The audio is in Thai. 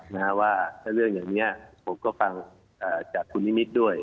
นะฮะว่าถ้าเรื่องอย่างนี้ผมก็ฟังจากคุณนิมิตรด้วย